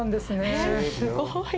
えすごい。